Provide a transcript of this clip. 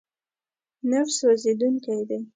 نفت سوځېدونکی دی.